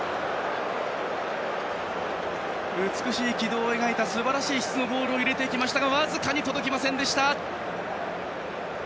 美しい軌道を描いたすばらしい質のボールを入れていきましたが僅かに届きませんでした。